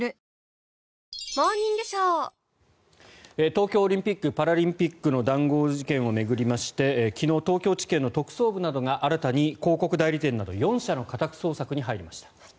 東京オリンピック・パラリンピックの談合事件を巡りまして昨日、東京地検の特捜部などが新たに広告代理店など４社の家宅捜索に入りました。